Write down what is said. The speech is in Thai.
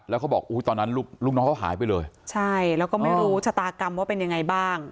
แล้วเขาบอกอุ้ยตอนนั้นลูกลูกน้องเขาหายไปเลยใช่แล้วก็ไม่รู้ชะตากรรมว่าเป็นยังไงบ้าง